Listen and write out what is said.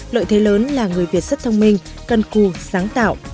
lợi thế lớn là người việt rất thông minh cân cù sáng tạo